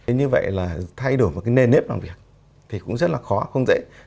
thế như vậy là thay đổi một nền nếp làm việc thì cũng rất là khó không dễ